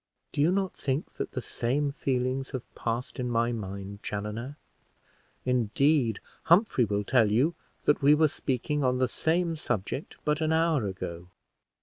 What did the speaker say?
"Do you not think that the same feelings have passed in my mind, Chaloner? Indeed, Humphrey will tell you that we were speaking on the same subject but an hour ago.